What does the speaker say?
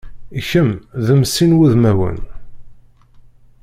Kemm d mm sin wudmawen.